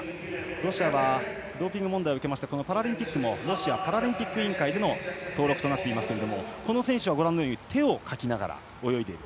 ロシアはドーピング問題を受けましてロシアパラリンピック委員会での登録ですがこの選手は手をかきながら泳いでいる。